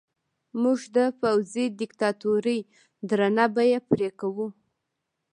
موږ د پوځي دیکتاتورۍ درنه بیه پرې کوو.